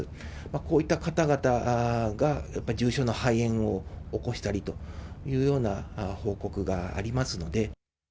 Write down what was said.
こういった方々が、やっぱり重症の肺炎を起こしたりというような報告がありますので。